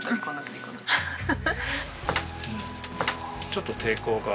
ちょっと抵抗が。